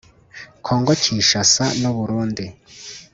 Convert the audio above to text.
Congo-Kinshasa n’ Uburundi”